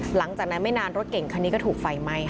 หลังจากนั้นไม่นานรถเก่งคันนี้ก็ถูกไฟไหม้ค่ะ